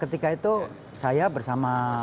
ketika itu saya bersama